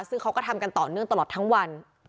ซึ่งเขาก็ทำกันต่อเนื่องตลอดทั้งวัน